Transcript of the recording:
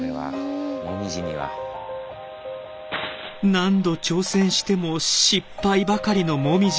何度挑戦しても失敗ばかりのもみじ。